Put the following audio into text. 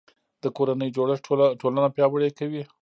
د کورنۍ جوړښت ټولنه پیاوړې کوي